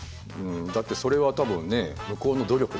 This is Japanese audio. だってそれは多分ね向こうの努力だしね。